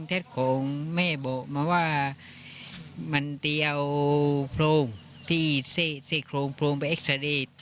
แทรศของแม่บอกมาว่ามันเตี๋ยวโพรงที่เอียดเซสโพรงไปเอ็กซาเทศ